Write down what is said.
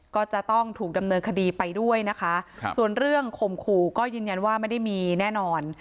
ก็จะต้องถูกดำเนินคดีไปด้วยนะคะส่วนเรื่องข่มขู่ก็ยืนยันว่าไม่ได้มีแน่นอน